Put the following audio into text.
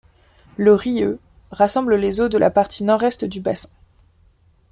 Le Rieu rassemble les eaux de la partie nord-est du bassin.